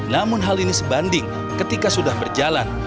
namun hal ini sebanding ketika sudah berjalan